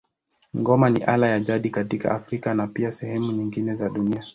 Ngoma ni ala ya jadi katika Afrika na pia sehemu nyingine za dunia.